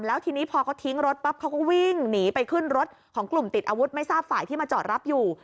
แล้วทีนี้พอเขาทิ้งรถปั๊บเขาก็วิ่งหนีไปขึ้นรถของกลุ่มติดอาวุธไม่ทราบฝ่ายที่มาจอดรับอยู่